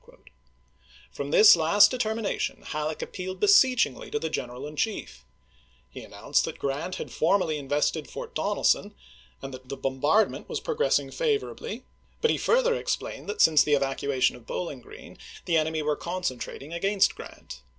From this last deter mination Halleck appealed beseechingly to the General in Chief. He announced that Grant had formally invested Fort Donelson and that the bom bardment was progressing favorably, but he further explained that since the evacuation of Bowling Green the enemy were concentrating against Grant.